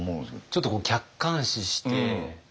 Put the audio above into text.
ちょっと客観視して。